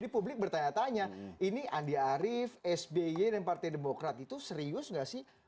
jadi publik bertanya tanya ini andi arief sby dan partai demokrat itu serius nggak sih